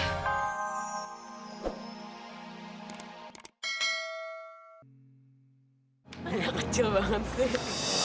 anak kecil banget sih